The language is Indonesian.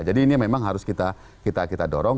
jadi ini memang harus kita dorong